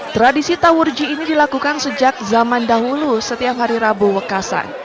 tradisi tawurji ini dilakukan sejak zaman dahulu setiap hari rabu wekasan